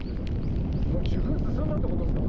受粉進んだってことですか？